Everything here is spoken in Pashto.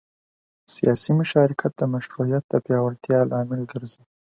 سیاسي مشارکت د مشروعیت د پیاوړتیا لامل ګرځي